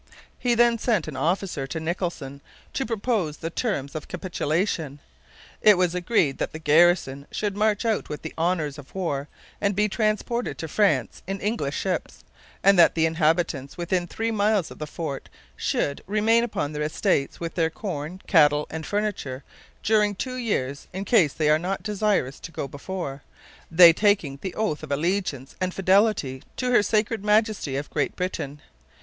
He then sent an officer to Nicholson to propose the terms of capitulation. It was agreed that the garrison should march out with the honours of war and be transported to France in English ships, and that the inhabitants within three miles of the fort should 'remain upon their estates, with their corn, cattle, and furniture, during two years, in case they are not desirous to go before, they taking the oath of allegiance and fidelity to Her Sacred Majesty of Great Britain.'